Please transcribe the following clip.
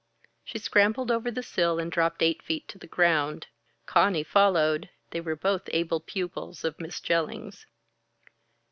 She scrambled over the sill and dropped eight feet to the ground. Conny followed. They were both able pupils of Miss Jellings.